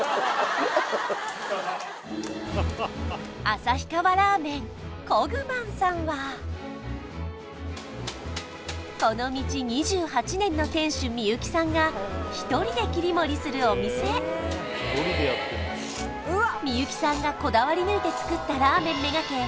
旭川ラーメンこぐまんさんはこの道２８年の店主美幸さんが１人で切り盛りするお店美幸さんがこだわり抜いて作ったラーメン目がけ